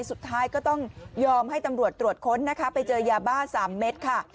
สุดท้ายก็ต้องยอมให้ตำรวจตรวจค้นนะคะไปเจอยาบ้า๓เม็ดค่ะ